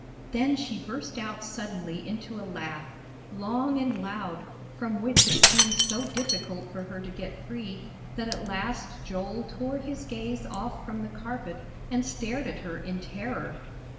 Then she burst out suddenly into a laugh, long and loud, from which it seemed so difficult for her to get free, that at last Joel tore his gaze off from the carpet and stared at her in terror.